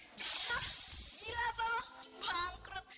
hah gila apa lo bangkrut